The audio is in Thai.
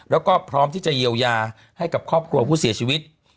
แล้วก็พร้อมที่จะเยียวยาให้กับครอบครัวผู้เสียชีวิต